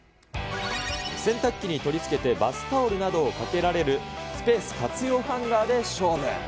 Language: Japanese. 洗濯機に取り付けてバスタオルなどをかけられる、スペース活用ハンガーで勝負。